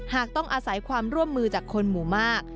ต้องอาศัยความร่วมมือจากคนหมู่มาก